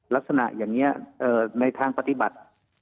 ลักษณะอย่างนี้ในทางปฏิบัติ